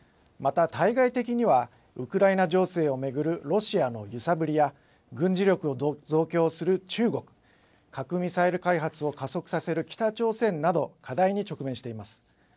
また、対外的には、ウクライナ情勢を巡るロシアの揺さぶりや軍事力を増強する中国、核・ミサイル開発を加速させる北朝鮮など、課題に直面しています。